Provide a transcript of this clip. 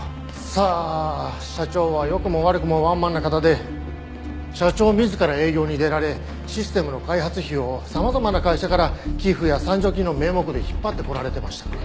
さあ社長は良くも悪くもワンマンな方で社長自ら営業に出られシステムの開発費を様々な会社から寄付や賛助金の名目で引っ張ってこられてましたから。